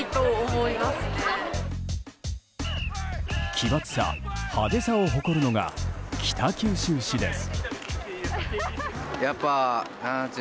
奇抜さ、派手さを誇るのが北九州市です。